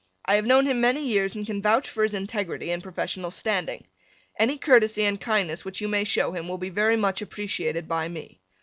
I have known him many years and can vouch for his integrity and professional standing. Any courtesy and kindness which you may show him will be very much appreciated by me.